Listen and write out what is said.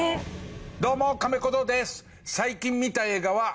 どうもカメ小僧です。